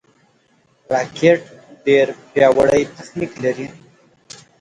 راکټ ډېر پیاوړی تخنیک لري